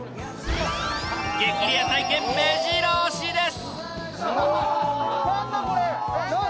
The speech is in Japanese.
激レア体験めじろ押しです！